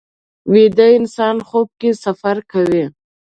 ویده انسان خوب کې سفر کوي